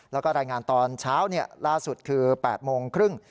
แล้วก็รายงานตอนเช้าล่าสุดคือ๘โมงครึ่ง